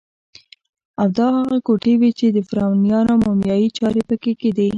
او دا هغه کوټې وې چې د فرعونیانو مومیایي چارې پکې کېدې.